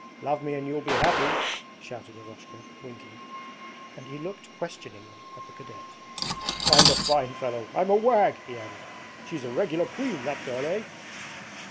'Love me and you'll be happy,' shouted Eroshka, winking, and he looked questioningly at the cadet. 'I'm a fine fellow, I'm a wag!' he added. 'She's a regular queen, that girl. Eh?'